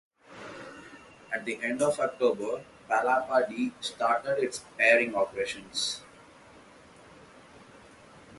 At the end of October, Palapa D started its airing operations.